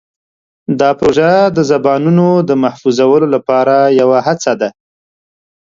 دا پروژه د زبانونو د محفوظولو لپاره یوه هڅه ده.